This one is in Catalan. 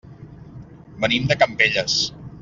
Venim de Campelles.